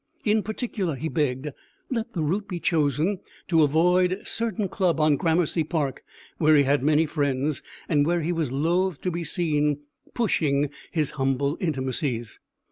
In particular, he begged, let the route be chosen to avoid a certain club on Gramercy Park where he had many friends, and where he was loath to be seen pushing his humble intimacies.